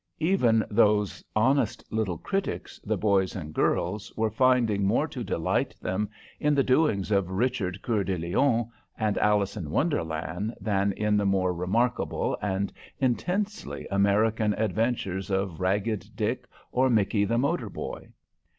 Even those honest little critics the boys and girls were finding more to delight them in the doings of Richard Coeur de Lion and Alice in Wonderland than in the more remarkable and intensely American adventures of Ragged Dick or Mickie the Motorboy.